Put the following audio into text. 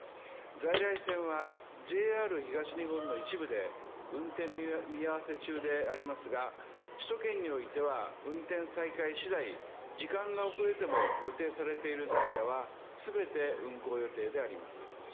在来線はＪＲ東日本の一部で運転見合わせ中でありますが、首都圏においては、運転再開次第、時間が遅れても予定されているダイヤは全て運行予定であります。